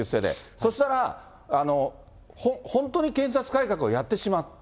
そしたら、本当に検察改革をやってしまった。